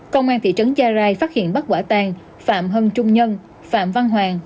công an thị trấn gia rai phát hiện bắt quả tàn phạm hân trung nhân phạm văn hoàng